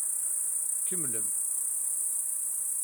Kemmlem.